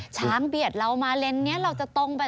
เบียดเรามาเลนส์นี้เราจะตรงไป